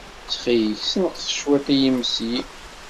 Ttxil-k, ssenqes cwiṭ i yimesli.